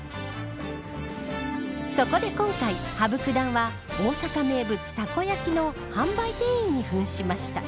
そこで今回、羽生九段は大阪名物たこ焼きの販売店員に扮しました。